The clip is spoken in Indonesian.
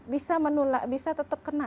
bisa menula bisa tetap kena